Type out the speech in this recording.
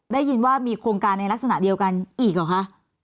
ได้ยินว่ามีโครงการในลักษณะเดียวกันอีกหรอคะ